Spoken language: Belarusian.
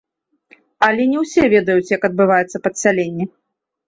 Але не ўсе ведаюць, як адбываецца падсяленне.